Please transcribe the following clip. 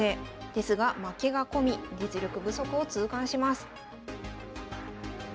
ですが負けが込み実力不足を痛感します。